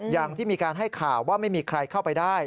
อย่างที่มีการให้ข่าวว่าไม่มีใครเข้าไปได้